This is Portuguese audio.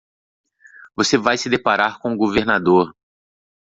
Você vai se deparar com o governador.